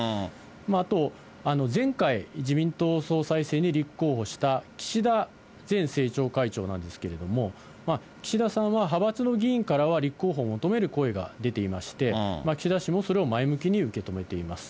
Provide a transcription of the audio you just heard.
あと、前回、自民党総裁選に立候補した岸田前政調会長なんですけれども、岸田さんは派閥の議員からは、立候補を求める声が出ていまして、岸田氏もそれを前向きに受け止めています。